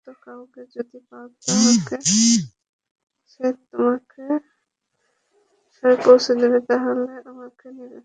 তোমার গোত্রের বিশ্বস্ত কাউকে যদি পাও যে তোমাকে শামে পৌঁছে দিবে তাহলে আমাকে জানাবে।